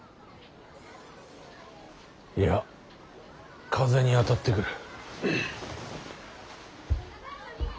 いや風に当たってくる。